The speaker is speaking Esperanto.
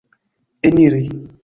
eniri